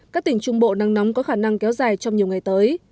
các tỉnh trung bộ nắng nóng có khả năng kéo dài trong nhiều ngày tới